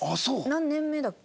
何年目だっけ？